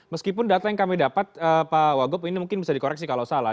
meskipun data yang kami dapat pak wagup ini mungkin bisa dikoreksi kalau salah